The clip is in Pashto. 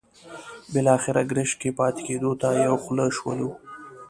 بالاخره ګرشک کې پاتې کېدو ته یو خوله شولو.